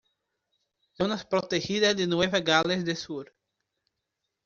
Zonas protegidas de Nueva Gales del Sur